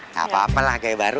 gapapa lah gaya baru